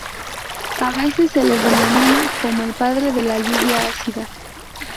A veces se le denomina como "el padre de la lluvia ácida".